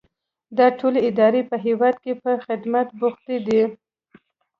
دا ټولې ادارې په هیواد کې په خدمت بوختې دي.